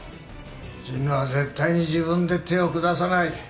神野は絶対に自分で手を下さない。